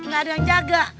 gak ada yang jaga